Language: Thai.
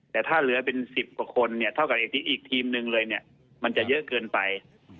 แต่ถ้าเหลือเป็น๑๐กว่าคนเนี่ยเท่ากับอีกทีมหนึ่งเลยเนี่ยมันจะเยอะเกินไป